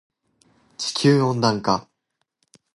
地球温暖化